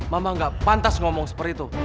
mama gak pantas ngomong seperti itu